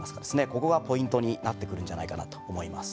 ここがポイントになってくるんじゃないかなと思います。